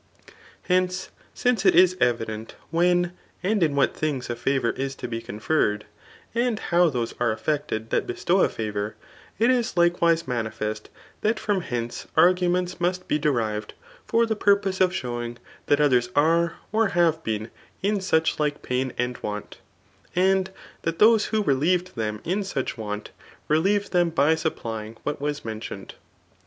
Hence, since it is ^d^t whien and In what things a favour is to be conferred, and how those are affected that bestow a favour, it is likewise manifest that from hence, arguments must be derived for the purpose of showing that others are or have been in such like pain and want, and that those who relieved them in such warn, relieved them by supplying what was mentioned.